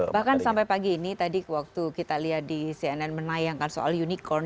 bahkan sampai pagi ini tadi waktu kita lihat di cnn menayangkan soal unicorn